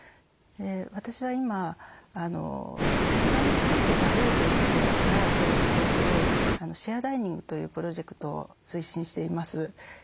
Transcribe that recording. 私は今一緒に作って食べるというところから共食をするシェアダイニングというプロジェクトを推進しています。